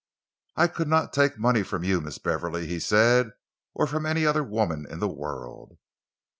"I could not take money from you, Miss Beverley," he said, "or from any other woman in the world."